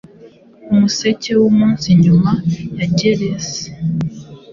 Umuseke wumunsinyuma ya gelasi